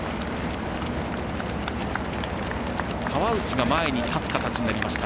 川内が前に立つ形になりました。